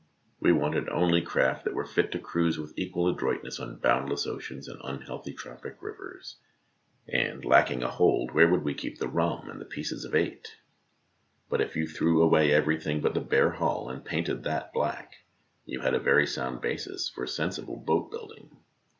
We wanted only craft that were fit to cruise with equal adroitness on boundless oceans and unhealthy tropic rivers, and, lacking a hold, where should we keep the rum and the pieces of eight? But if you threw away everything but the bare hull, and painted that black, you had a very sound basis for sensible boat building.